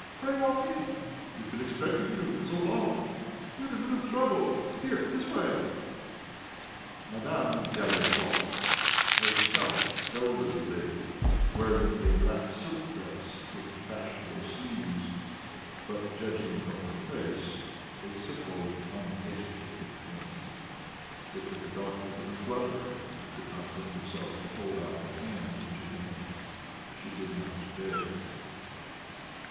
"Pray walk in.... We've been expecting you so long ... we're in real trouble. Here, this way." Madame Lyalikov a stout elderly lady wearing a black silk dress with fashionable sleeves, but, judging from her face, a simple uneducated woman looked at the doctor in a flutter, and could not bring herself to hold out her hand to him; she did not dare.